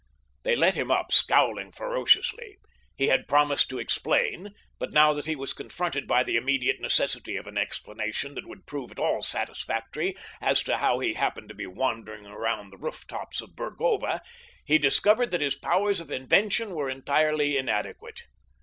They let him up, scowling ferociously. He had promised to explain, but now that he was confronted by the immediate necessity of an explanation that would prove at all satisfactory as to how he happened to be wandering around the rooftops of Burgova, he discovered that his powers of invention were entirely inadequate.